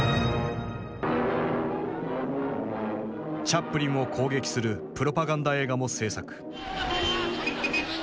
チャップリンを攻撃するプロパガンダ映画も製作。